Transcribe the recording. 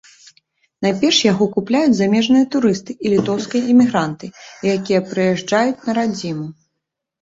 Найперш яго купляюць замежныя турысты і літоўскія эмігранты, якія прыязджаюць на радзіму.